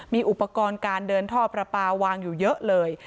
มีอุปกรณ์การเดินท่อประปาวางอยู่เยอะเลย